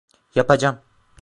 Yapacağım.